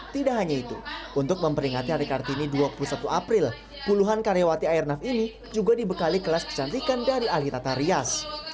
tidak hanya itu untuk memperingati hari kartini dua puluh satu april puluhan karyawati airnav ini juga dibekali kelas kecantikan dari ali tata rias